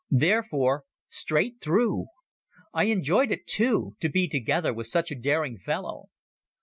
Therefore straight through! I enjoyed it, too, to be together with such a daring fellow.